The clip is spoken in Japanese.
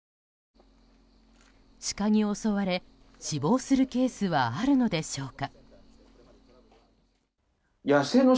シカに襲われ、死亡するケースはあるのでしょうか。